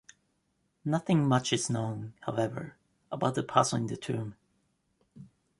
Nothing much is known, however, about the person in the tomb.